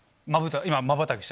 今まばたきした。